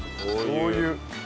しょう油。